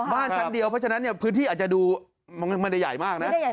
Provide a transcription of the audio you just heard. เพราะฉะนั้นพื้นที่อาจจะดูไม่ได้ใหญ่มากนะ